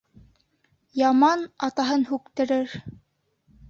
Яман атаһын һүктерер.